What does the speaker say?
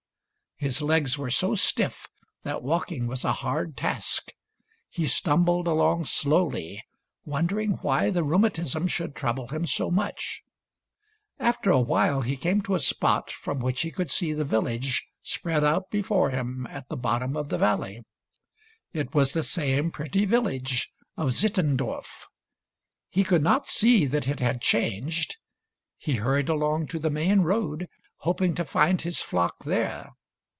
His legs were so stiff that walking was a hard task. He stumbled along slowly, wondering why the rheumatism should trouble him so much. After a while he came to a spot from which he could see the village spread out before him at the bottom of the valley. It was the same pretty village of Sit tendorf ; he could not see that it had changed. He hurried along to the main road, hoping to find his flock there.